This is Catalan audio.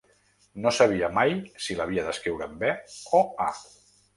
No sabia mai si l’havia d’escriure amb e o a.